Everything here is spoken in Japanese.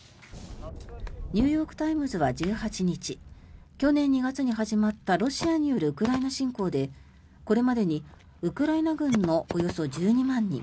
ニューヨーク・タイムズは１８日去年２月に始まったロシアによるウクライナ侵攻でこれまでにウクライナ軍のおよそ１２万人